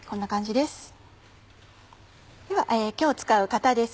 では今日使う型です。